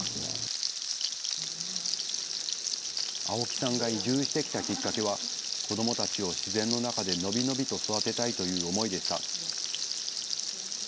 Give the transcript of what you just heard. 青木さんが移住してきたきっかけは、子どもたちを自然の中で伸び伸びと育てたいという思いでした。